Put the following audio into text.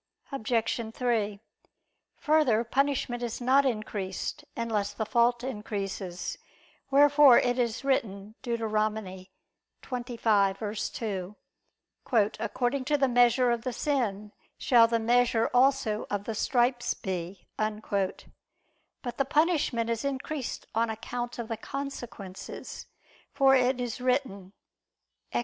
Obj. 3: Further, punishment is not increased, unless the fault increases: wherefore it is written (Deut. 25:2): "According to the measure of the sin shall the measure also of the stripes be." But the punishment is increased on account of the consequences; for it is written (Ex.